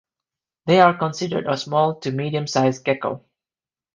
They are considered a small to medium size gecko.